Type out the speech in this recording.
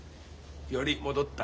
より戻ったか？